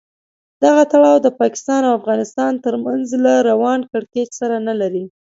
دغه تړاو د پاکستان او افغانستان تر منځ له روان کړکېچ سره نه لري.